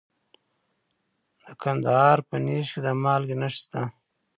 د کندهار په نیش کې د مالګې نښې شته.